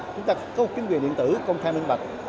chúng ta có một chính quyền điện tử công khai minh bạch